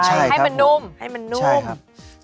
ใช่ครับครับให้มันนุ่มให้มันนุ่ม